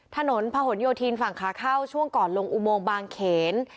ถนนพะหนโยธินฝั่งขาเข้าช่วงก่อนลงอุโมงบางเขน